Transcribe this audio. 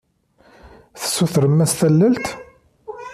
Tessutrem-as tallalt?